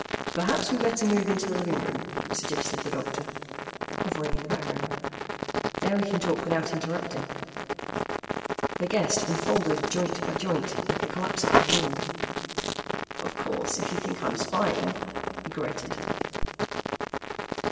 "Perhaps we'd better move into the living room," suggested the doctor, hovering in the background. "There we can talk without interrupting." Their guest unfolded joint by joint like a collapsible rule. "Of course, if you think I'm spying," he grated.